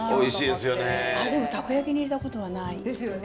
あっでもたこ焼きに入れたことはない。ですよね。